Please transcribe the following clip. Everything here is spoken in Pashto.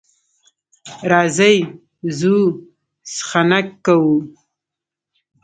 راځئ ځو څخنک کوو.